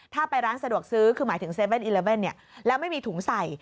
ถ้าไปร้านสะดวกซื้อคือหมายถึง๗๑๑แล้วไม่มีถุงใส่